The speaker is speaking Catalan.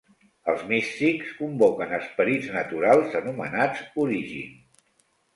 Els místics convoquen esperits naturals anomenats "Origin".